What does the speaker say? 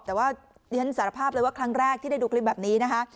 แต่ว่าดิฉันสารภาพเลยว่าครั้งแรกที่ได้ดูคลิปแบบนี้นะคะ